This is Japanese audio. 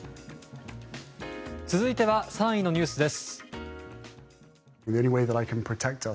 続いては３位のニュースです。